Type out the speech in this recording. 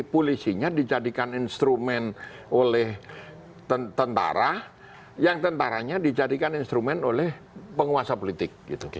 polisinya dijadikan instrumen oleh tentara yang tentaranya dijadikan instrumen oleh penguasa politik